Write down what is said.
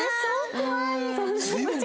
怖い。